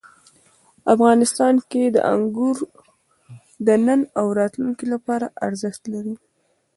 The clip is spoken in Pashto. افغانستان کې انګور د نن او راتلونکي لپاره ارزښت لري.